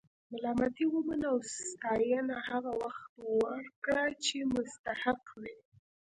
ملامتي ومنه او ستاینه هغه وخت ورکړه چې مستحق وي.